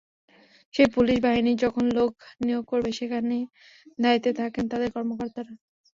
সেই পুলিশ বাহিনী যখন লোক নিয়োগ করবে, সেখানে দায়িত্বে থাকেন তাদের কর্মকর্তারা।